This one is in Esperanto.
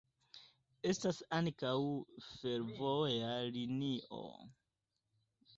Estas ankaŭ fervoja linio.